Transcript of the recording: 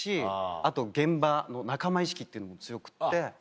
あと現場の仲間意識っていうのも強くって。